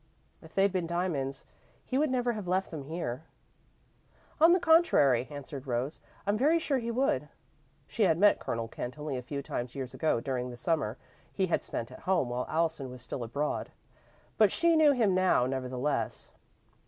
If they'd been diamonds, he would never have left them here." "On the contrary," answered Rose, "I'm very sure he would." She had met Colonel Kent only a few times, years ago, during the Summer he had spent at home while Allison was still abroad, but she knew him now, nevertheless.